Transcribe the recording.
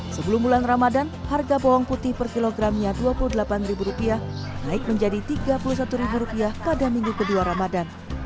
sebelum bulan ramadan harga bawang putih per kilogramnya rp dua puluh delapan naik menjadi rp tiga puluh satu pada minggu kedua ramadan